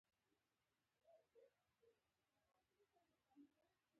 د پکتیکا په خوشامند کې څه شی شته؟